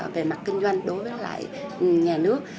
về mặt kinh doanh đối với lại nhà nước